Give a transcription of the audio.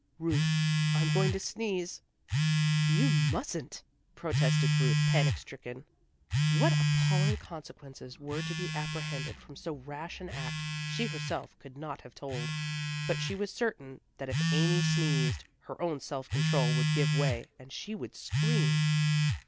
"Ruth I'm going to sneeze!" "You mustn't!" protested Ruth panic stricken. What appalling consequences were to be apprehended from so rash an act, she herself could not have told. But she was certain that if Amy sneezed, her own self control would give way, and she would scream.